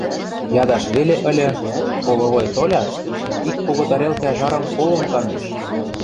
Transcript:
Ядаш веле ыльы, половой толят, ик кого тарелкӓ жарым колым кандыш